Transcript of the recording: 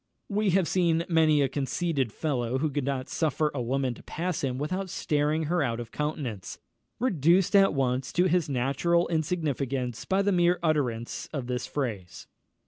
We have seen many a conceited fellow who could not suffer a woman to pass him without staring her out of countenance, reduced at once into his natural insignificance by the mere utterance of this phrase.